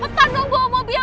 padahal wajah congraten